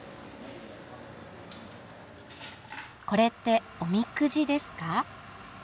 これっておみくじですか？